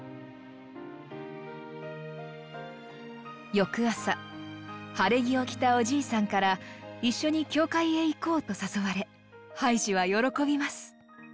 翌朝晴れ着を着たおじいさんから「一緒に教会へ行こう」と誘われハイジは喜びます。